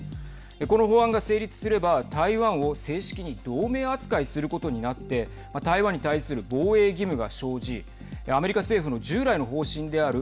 この法案が成立すれば台湾を正式に同盟扱いすることになって台湾に対する防衛義務が生じアメリカ政府の従来の方針である